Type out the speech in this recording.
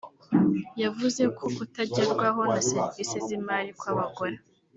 yavuze ko kutagerwaho na serivisi z’imari kw’abagore